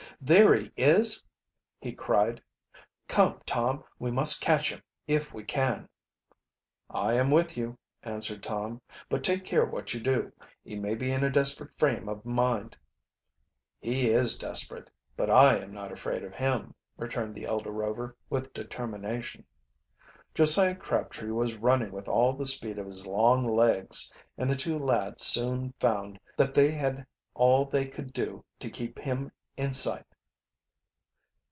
"There he is!" he cried. "Come, Tom, we must catch him, if we can!" "I am with you," answered Tom. "But take care what you do. He may be in a desperate frame of mind." "He is desperate. But I am not afraid of him," returned the elder Rover, with determination. Josiah Crabtree was running with all the speed of his long legs, and the two lads soon found that they had all they could do to keep him in sight.